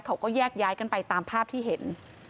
เขาก็แยกย้ายกันไปตามภาพที่เห็น